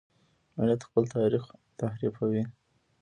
ملت خپل تاریخ تحریفوي.